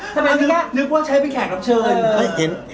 ทำไมนี่นึกว่าใช้ไปแขกรับเชิญ